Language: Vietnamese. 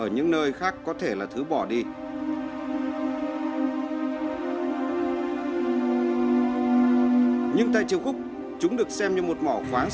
nhưng nó làm cái niệu nó có mùi